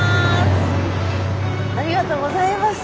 ありがとうございます！